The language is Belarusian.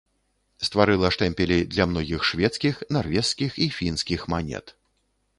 Стварыла штэмпелі для многіх шведскіх, нарвежскіх і фінскіх манет.